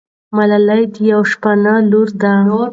ملالۍ د یوه شپانه لور ده.